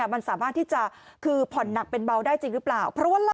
มันสามารถที่จะคือผ่อนหนักเป็นเบาได้จริงหรือเปล่า